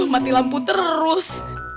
mati lampu terus